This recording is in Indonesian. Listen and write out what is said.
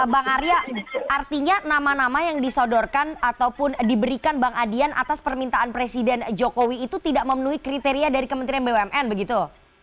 bang arya artinya nama nama yang disodorkan ataupun diberikan bang adian atas permintaan presiden jokowi itu tidak memenuhi kriteria dari kementerian bumn begitu